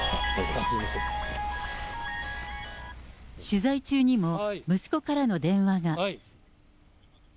取材中にも息子からの電話が。